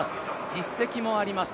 実績もあります。